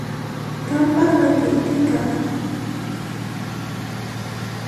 Qampaq wayqiykiqa hallp'asapamá.